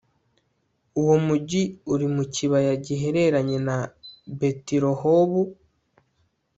uwo mugi uri mu kibaya gihereranye na betirehobu